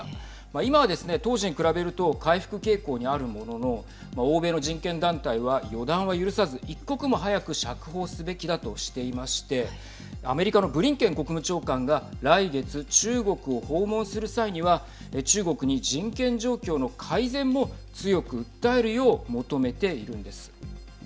今はですね、当時に比べると回復傾向にあるものの欧米の人権団体は予断は許さず一刻も早く釈放すべきだとしていましてアメリカのブリンケン国務長官が来月、中国を訪問する際には中国に人権状況の改善も強く訴えるよう求めているんです。